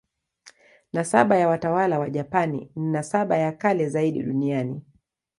Nasaba ya watawala wa Japani ni nasaba ya kale zaidi duniani.